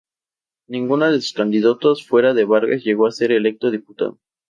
Ninguno de sus candidatos, fuera de Vargas, llegó a ser electo diputado.